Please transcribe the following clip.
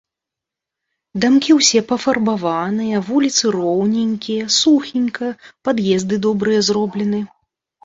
Дамкі ўсе пафарбаваныя, вуліцы роўненькія, сухенька, пад'езды добрыя зроблены.